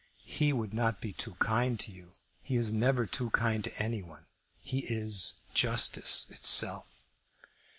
"He would not be too kind to you. He is never too kind to any one. He is justice itself."